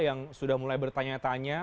yang sudah mulai bertanya tanya